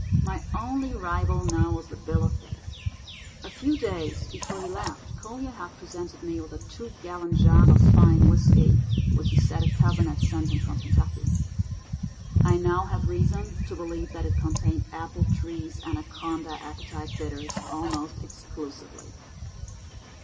My only rival now was the bill of fare. A few days before he left Collier had presented me with a two gallon jug of fine whisky which he said a cousin had sent him from Kentucky. I now have reason to believe that it contained Appletree's Anaconda Appetite Bitters almost exclusively.